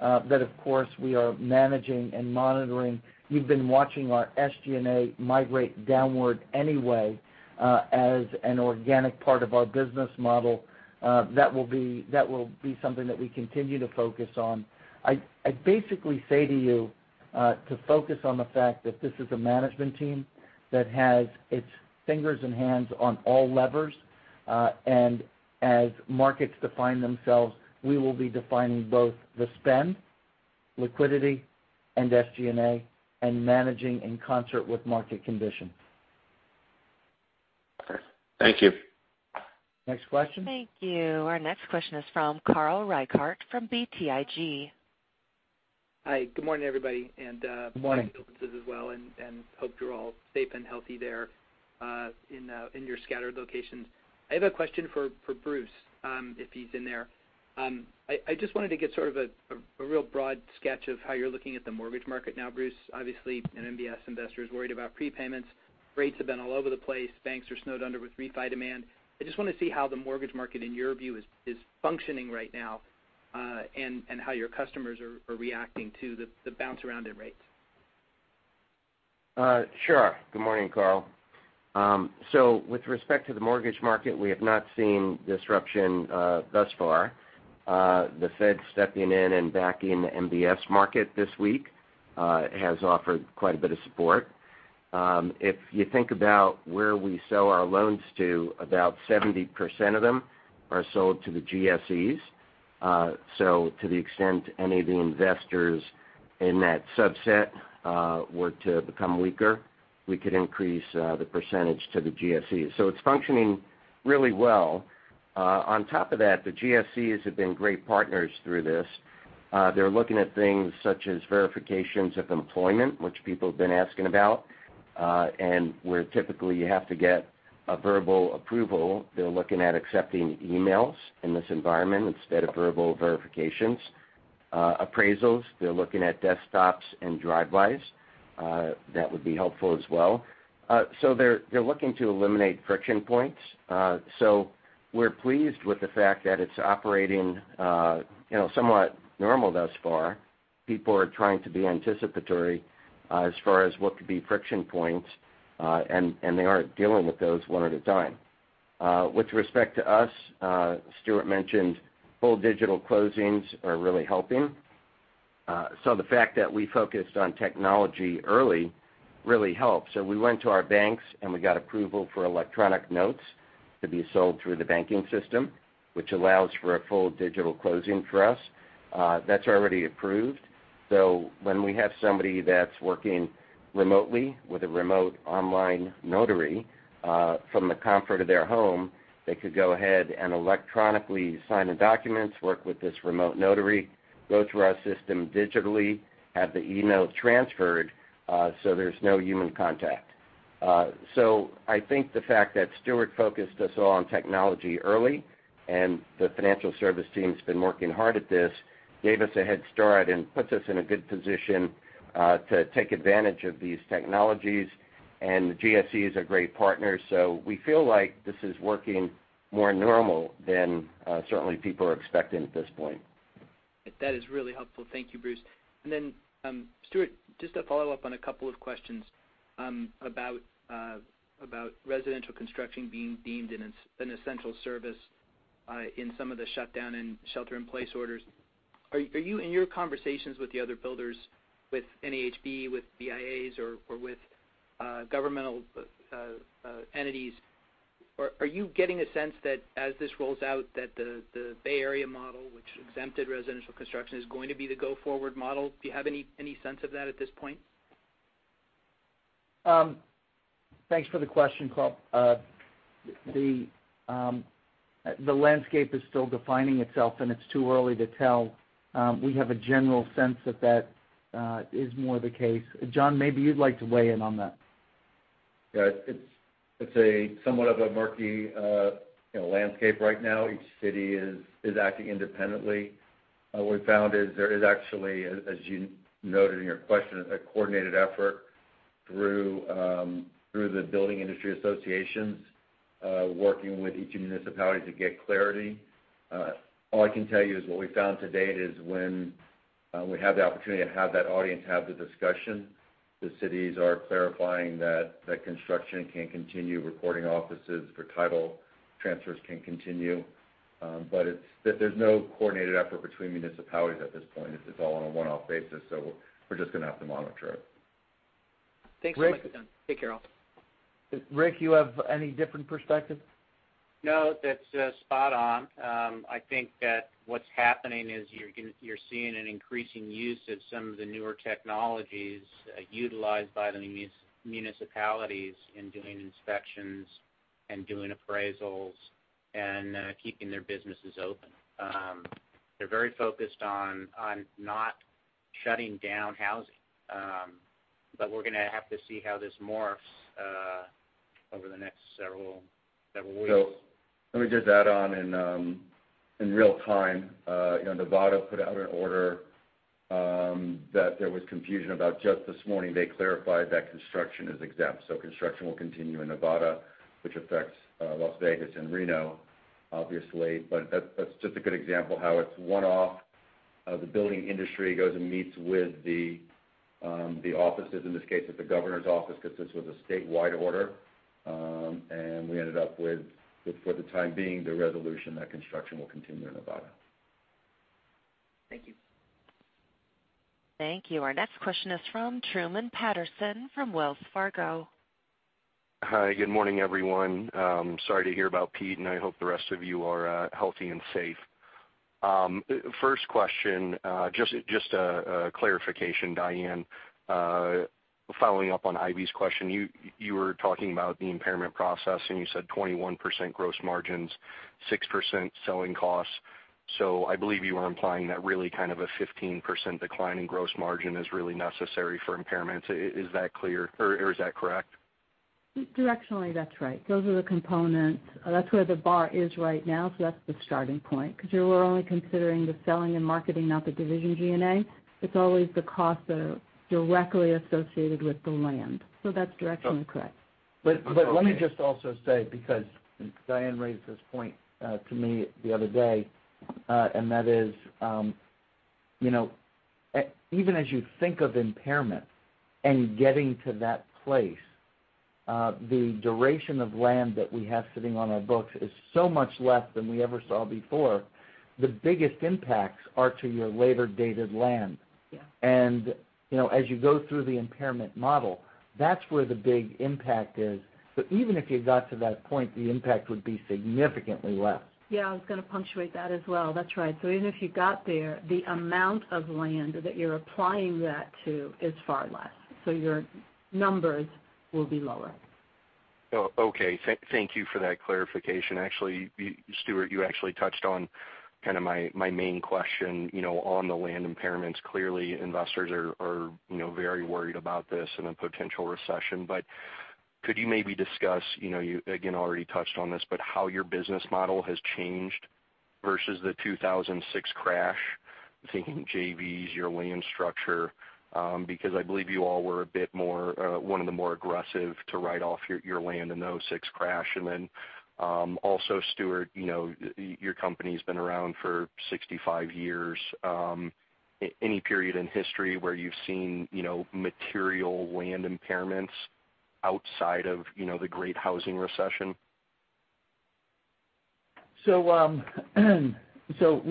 that, of course, we are managing and monitoring. You've been watching our SG&A migrate downward anyway as an organic part of our business model. That will be something that we continue to focus on. I'd basically say to you to focus on the fact that this is a management team that has its fingers and hands on all levers. As markets define themselves, we will be defining both the spend, liquidity, and SG&A, and managing in concert with market conditions. Okay. Thank you. Next question. Thank you. Our next question is from Carl Reichardt from BTIG. Hi. Good morning, everybody. Good morning Hope you're all safe and healthy there in your scattered locations. I have a question for Bruce, if he's in there. I just wanted to get sort of a real broad sketch of how you're looking at the mortgage market now, Bruce. Obviously, an MBS investor is worried about prepayments. Rates have been all over the place. Banks are snowed under with refi demand. I just want to see how the mortgage market, in your view, is functioning right now, and how your customers are reacting to the bounce around in rates. Sure. Good morning, Carl. With respect to the mortgage market, we have not seen disruption thus far. The Fed stepping in and backing the MBS market this week has offered quite a bit of support. If you think about where we sell our loans to, about 70% of them are sold to the GSEs. To the extent any of the investors in that subset were to become weaker, we could increase the percentage to the GSEs. It's functioning really well. On top of that, the GSEs have been great partners through this. They're looking at things such as verifications of employment, which people have been asking about, and where typically you have to get a verbal approval, they're looking at accepting emails in this environment instead of verbal verifications. Appraisals, they're looking at desktops and drive-bys. That would be helpful as well. They're looking to eliminate friction points. We're pleased with the fact that it's operating somewhat normal thus far. People are trying to be anticipatory as far as what could be friction points, and they aren't dealing with those one at a time. With respect to us, Stuart mentioned full digital closings are really helping. The fact that we focused on technology early really helps. We went to our banks, and we got approval for electronic notes to be sold through the banking system, which allows for a full digital closing for us. That's already approved. When we have somebody that's working remotely with a remote online notary, from the comfort of their home, they could go ahead and electronically sign the documents, work with this remote notary, go through our system digitally, have the eNote transferred, so there's no human contact. I think the fact that Stuart focused us all on technology early and the financial service team's been working hard at this, gave us a head start and puts us in a good position to take advantage of these technologies. The GSE is a great partner, so we feel like this is working more normal than certainly people are expecting at this point. That is really helpful. Thank you, Bruce. Stuart, just to follow up on a couple of questions about residential construction being deemed an essential service in some of the shutdown and shelter-in-place orders. Are you, in your conversations with the other builders, with NAHB, with BIAs or with governmental entities, are you getting a sense that as this rolls out, that the Bay Area model, which exempted residential construction, is going to be the go-forward model? Do you have any sense of that at this point? Thanks for the question, Carl. The landscape is still defining itself, and it's too early to tell. We have a general sense that that is more the case. John, maybe you'd like to weigh in on that. Yeah. It's somewhat of a murky landscape right now. Each city is acting independently. What we found is there is actually, as you noted in your question, a coordinated effort through the Building Industry Associations, working with each municipality to get clarity. All I can tell you is what we found to date is when we have the opportunity to have that audience have the discussion, the cities are clarifying that construction can continue, recording offices for title transfers can continue. There's no coordinated effort between municipalities at this point. It's all on a one-off basis, so we're just going to have to monitor it. Thanks so much, John. Take care, all. Rick, you have any different perspective? No, that's spot on. I think that what's happening is you're seeing an increasing use of some of the newer technologies utilized by the municipalities in doing inspections and doing appraisals and keeping their businesses open. They're very focused on not shutting down housing. We're going to have to see how this morphs over the next several weeks. Let me just add on in real time. Nevada put out an order that there was confusion about just this morning. They clarified that construction is exempt, so construction will continue in Nevada, which affects Las Vegas and Reno, obviously. That's just a good example how it's one-off. The building industry goes and meets with the offices, in this case, it's the governor's office because this was a statewide order. We ended up with, for the time being, the resolution that construction will continue in Nevada. Thank you. Thank you. Our next question is from Truman Patterson from Wells Fargo. Hi, good morning, everyone. Sorry to hear about Pete, and I hope the rest of you are healthy and safe. First question, just a clarification, Diane. Following up on Ivy's question, you were talking about the impairment process, and you said 21% gross margins, 6% selling costs. I believe you are implying that really kind of a 15% decline in gross margin is really necessary for impairments. Is that clear, or is that correct? Directionally, that's right. Those are the components. That's where the bar is right now, so that's the starting point. We're only considering the selling and marketing, not the division G&A. It's always the costs that are directly associated with the land. So that's directionally correct. Let me just also say, because Diane raised this point to me the other day, and that is, even as you think of impairment and getting to that place, the duration of land that we have sitting on our books is so much less than we ever saw before. The biggest impacts are to your later-dated land. Yeah. As you go through the impairment model, that's where the big impact is. Even if you got to that point, the impact would be significantly less. Yeah, I was going to punctuate that as well. That's right. Even if you got there, the amount of land that you're applying that to is far less, so your numbers will be lower. Okay. Thank you for that clarification. Stuart, you actually touched on kind of my main question on the land impairments. Clearly, investors are very worried about this and a potential recession. Could you maybe discuss, you again already touched on this, how your business model has changed versus the 2006 crash? I'm thinking JVs, your land structure, because I believe you all were one of the more aggressive to write off your land in the '06 crash. Also, Stuart, your company's been around for 65 years. Any period in history where you've seen material land impairments outside of the great housing recession? Let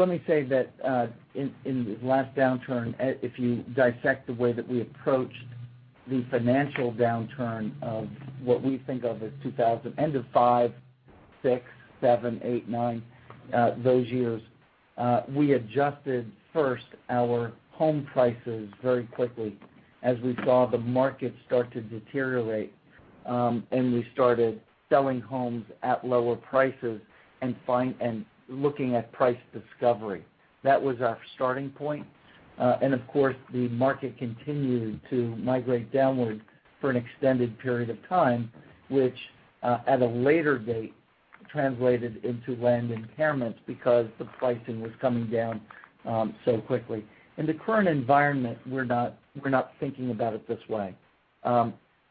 me say that in the last downturn, if you dissect the way that we approached the financial downturn of what we think of as end of 2005, 2006, 2007, 2008, 2009, those years. We adjusted first our home prices very quickly as we saw the market start to deteriorate, and we started selling homes at lower prices and looking at price discovery. That was our starting point. Of course, the market continued to migrate downward for an extended period of time, which, at a later date, translated into land impairments because the pricing was coming down so quickly. In the current environment, we're not thinking about it this way.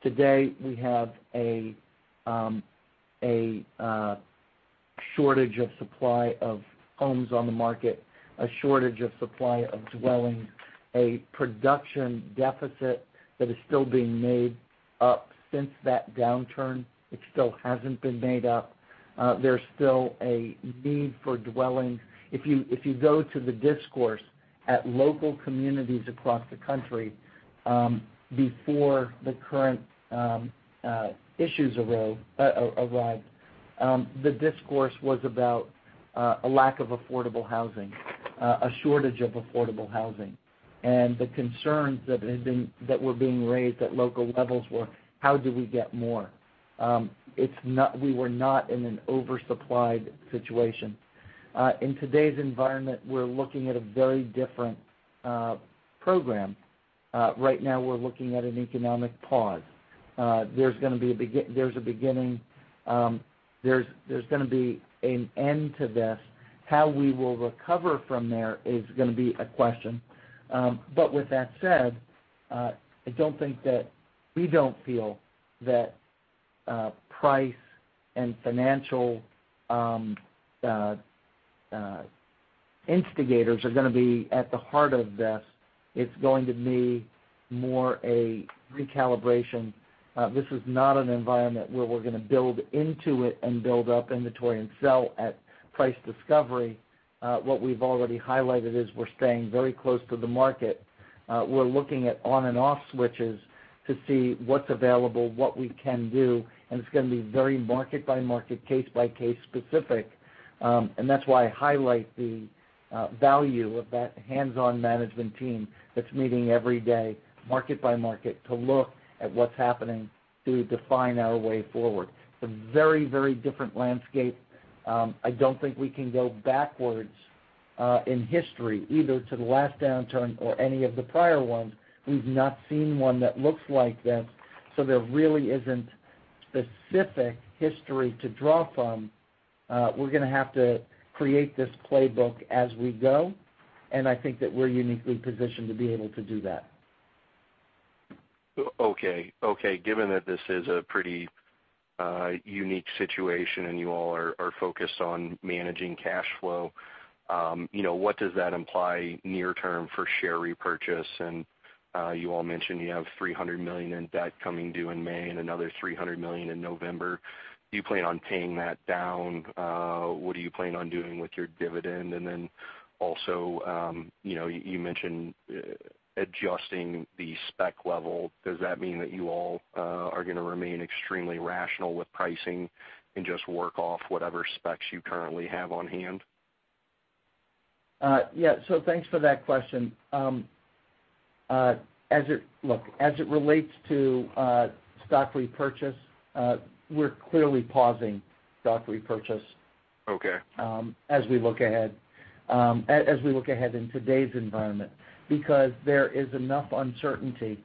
Today, we have a shortage of supply of homes on the market, a shortage of supply of dwellings, a production deficit that is still being made up since that downturn. It still hasn't been made up. There's still a need for dwellings. If you go to the discourse at local communities across the country, before the current issues arrived, the discourse was about a lack of affordable housing, a shortage of affordable housing. The concerns that were being raised at local levels were, how do we get more? We were not in an oversupplied situation. In today's environment, we're looking at a very different program. Right now, we're looking at an economic pause. There's going to be a beginning. There's going to be an end to this. How we will recover from there is going to be a question. With that said, we don't feel that price and financial instigators are going to be at the heart of this. It's going to be more a recalibration. This is not an environment where we're going to build into it and build up inventory and sell at price discovery. What we've already highlighted is we're staying very close to the market. We're looking at on and off switches to see what's available, what we can do, and it's going to be very market by market, case by case specific. That's why I highlight the value of that hands-on management team that's meeting every day, market by market, to look at what's happening to define our way forward. It's a very, very different landscape. I don't think we can go backwards in history, either to the last downturn or any of the prior ones. We've not seen one that looks like this, so there really isn't specific history to draw from. We're going to have to create this playbook as we go, and I think that we're uniquely positioned to be able to do that. Okay. Given that this is a pretty unique situation and you all are focused on managing cash flow, what does that imply near-term for share repurchase? You all mentioned you have $300 million in debt coming due in May and another $300 million in November. Do you plan on paying that down? What do you plan on doing with your dividend? You mentioned adjusting the spec level. Does that mean that you all are going to remain extremely rational with pricing and just work off whatever specs you currently have on hand? Yeah. Thanks for that question. Look, as it relates to stock repurchase, we're clearly pausing stock repurchase. Okay as we look ahead in today's environment. There is enough uncertainty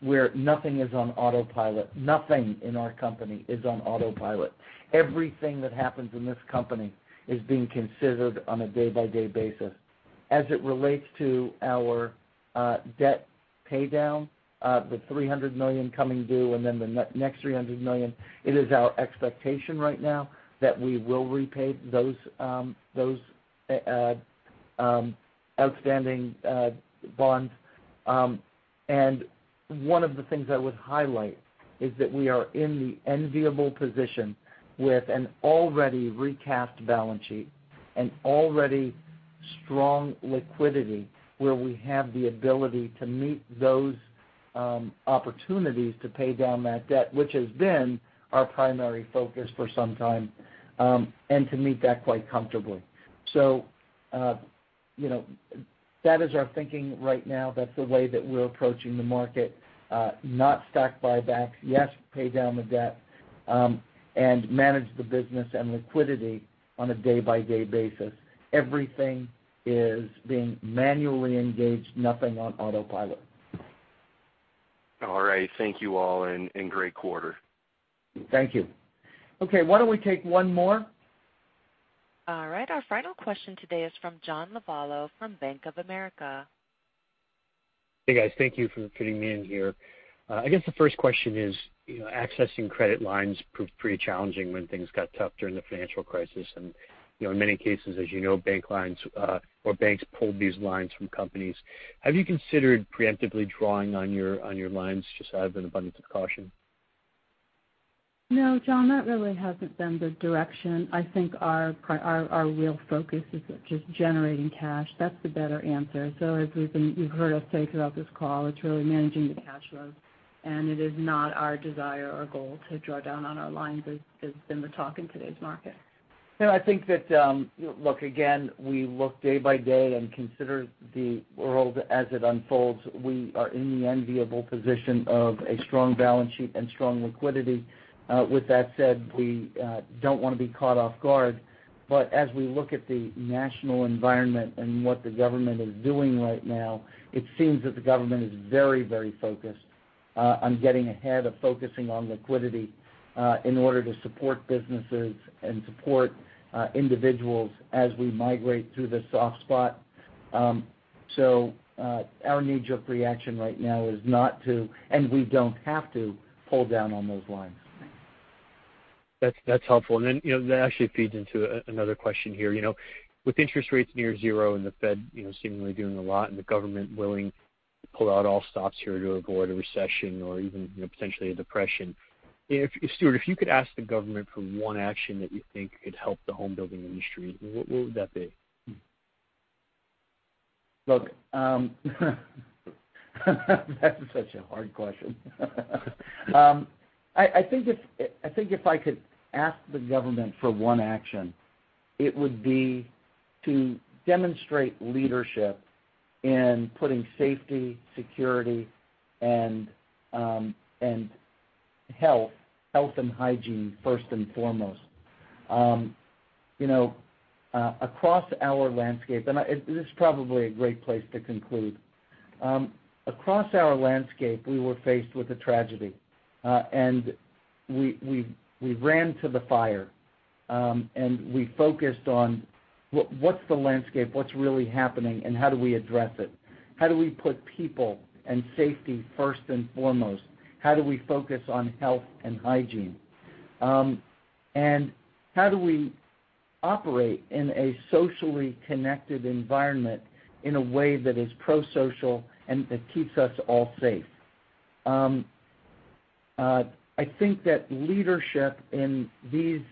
where nothing is on autopilot. Nothing in our company is on autopilot. Everything that happens in this company is being considered on a day-by-day basis. As it relates to our debt paydown, the $300 million coming due and then the next $300 million, it is our expectation right now that we will repay those outstanding bonds. One of the things I would highlight is that we are in the enviable position with an already recast balance sheet and already strong liquidity, where we have the ability to meet those opportunities to pay down that debt, which has been our primary focus for some time, and to meet that quite comfortably. That is our thinking right now. That's the way that we're approaching the market. Not stock buybacks. Yes, pay down the debt, manage the business and liquidity on a day-by-day basis. Everything is being manually engaged, nothing on autopilot. All right. Thank you all, and great quarter. Thank you. Okay, why don't we take one more? All right. Our final question today is from John Lovallo from Bank of America. Hey, guys. Thank you for fitting me in here. I guess the first question is, accessing credit lines proved pretty challenging when things got tough during the financial crisis. In many cases, as you know, bank lines or banks pulled these lines from companies. Have you considered preemptively drawing on your lines just out of an abundance of caution? No, John, that really hasn't been the direction. I think our real focus is just generating cash. That's the better answer. As you've heard us say throughout this call, it's really managing the cash flows, and it is not our desire or goal to draw down on our lines as has been the talk in today's market. No, I think that, look, again, we look day-by-day and consider the world as it unfolds. We are in the enviable position of a strong balance sheet and strong liquidity. With that said, we don't want to be caught off guard. As we look at the national environment and what the government is doing right now, it seems that the government is very focused on getting ahead of focusing on liquidity in order to support businesses and support individuals as we migrate through this soft spot. Our knee-jerk reaction right now is not to, and we don't have to, pull down on those lines. That's helpful. Then, that actually feeds into another question here. With interest rates near zero and the Fed seemingly doing a lot and the government willing to pull out all stops here to avoid a recession or even potentially a depression, Stuart, if you could ask the government for one action that you think could help the home building industry, what would that be? Look, that is such a hard question. I think if I could ask the government for one action, it would be to demonstrate leadership in putting safety, security, and health and hygiene first and foremost. Across our landscape, this is probably a great place to conclude. Across our landscape, we were faced with a tragedy. We ran to the fire. We focused on what's the landscape, what's really happening, and how do we address it. How do we put people and safety first and foremost? How do we focus on health and hygiene? How do we operate in a socially connected environment in a way that is pro-social and that keeps us all safe? I think that leadership in these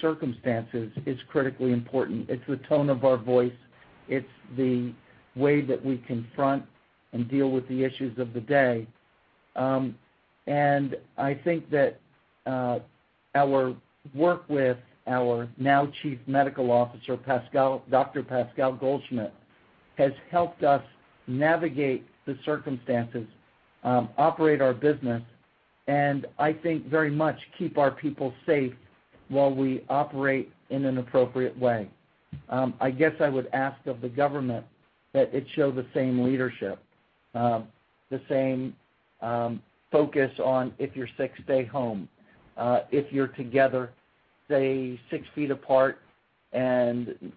circumstances is critically important. It's the tone of our voice. It's the way that we confront and deal with the issues of the day. I think that our work with our now Chief Medical Officer, Dr. Pascal Goldschmidt, has helped us navigate the circumstances, operate our business, and I think very much keep our people safe while we operate in an appropriate way. I guess I would ask of the government that it show the same leadership. The same focus on if you're sick, stay home. If you're together, stay six feet apart, and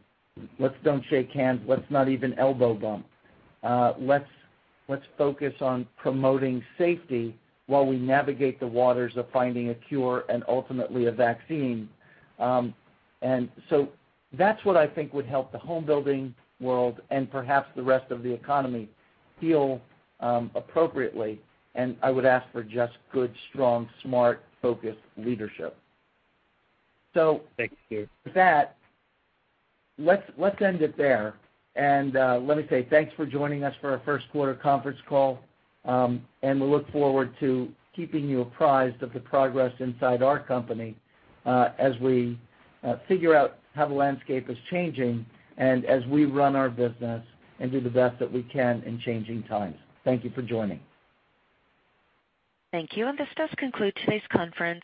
let's don't shake hands. Let's not even elbow bump. Let's focus on promoting safety while we navigate the waters of finding a cure and ultimately a vaccine. That's what I think would help the home building world and perhaps the rest of the economy heal appropriately. I would ask for just good, strong, smart, focused leadership. Thank you. With that, let's end it there. Let me say thanks for joining us for our first quarter conference call. We look forward to keeping you apprised of the progress inside our company as we figure out how the landscape is changing and as we run our business and do the best that we can in changing times. Thank you for joining. Thank you. This does conclude today's conference.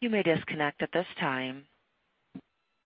You may disconnect at this time.